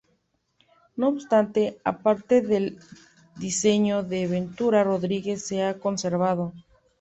No obstante, parte del diseño de Ventura Rodríguez se ha conservado.